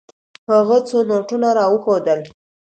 هغه څو نوټونه راوښودل.